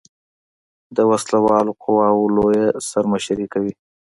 د وسله والو قواؤ لویه سر مشري کوي.